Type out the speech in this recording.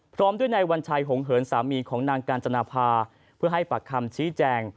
พร้อมด้วยนายวัญชัยหงเหินสามีของนางกาญจนาภาเพื่อให้ปากคำชี้แจง